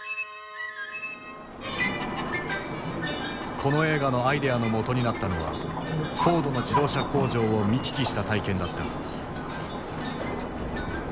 この映画のアイデアのもとになったのはフォードの自動車工場を見聞きした体験だった。